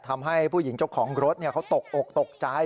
ทำให้ผู้หญิงเจ้าของรถเขาตกอกตกใจ